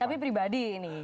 tapi pribadi ini